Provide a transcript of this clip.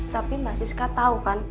tapi mbak siska tau kan